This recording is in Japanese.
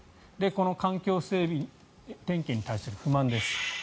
この環境整備点検に対する不満です。